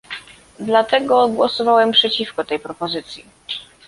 Dlatego głosowałem przeciwko tej propozycji